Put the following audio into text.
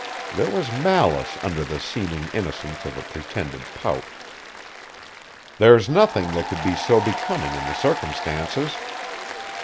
There was malice under the seeming innocence of a pretended pout. "There's nothing that could be so becoming in the circumstances."